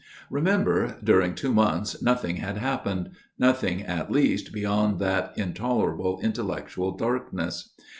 Remember, during two months nothing had hap pened nothing at least, beyond that intolerable intellectual darkness.